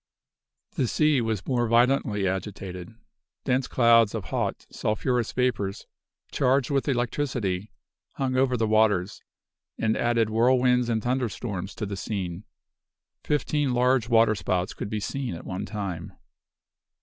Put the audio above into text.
The sea was more violently agitated. Dense clouds of hot, sulphurous vapors, charged with electricity, hung over the waters, and added whirlwinds and thunderstorms to the scene. Fifteen large waterspouts could be seen at one time.